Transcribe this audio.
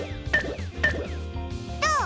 どう？